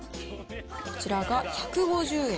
こちらが１５０円。